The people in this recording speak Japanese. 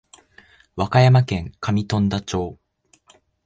和歌山県上富田町